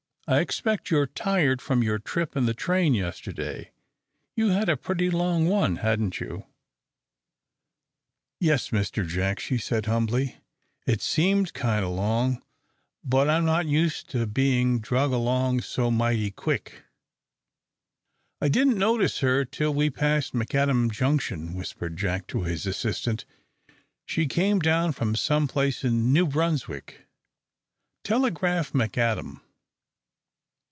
"I expect you're tired from your trip in the train yesterday. You had a pretty long one, hadn't you?" "Yes, Mr. Jack," she said, humbly. "It seemed kind o' long, but I'm not used to bein' drug along so mighty quick." "I didn't notice her till we passed McAdam Junction," whispered Jack to his assistant. "She's come down from some place in New Brunswick. Telegraph McAdam."